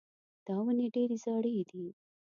دا ونې ډېرې زاړې دي.